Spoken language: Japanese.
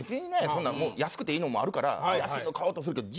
そんなん安くて良いのもあるから安いの買おうとするけど。